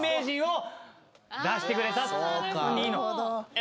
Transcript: え？